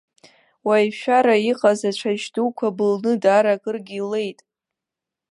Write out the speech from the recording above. Уаҩ ишәара иҟаз ацәашь дуқәа былны даара акыргьы илеит.